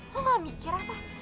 lu gak mikir apa